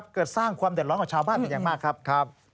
เกิดสร้างความเดือดร้อนกับชาวบ้านเป็นอย่างมากครับ